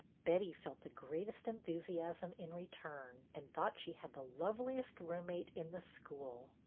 Betty felt the greatest enthusiasm in return, and thought she had the loveliest roommate in the school.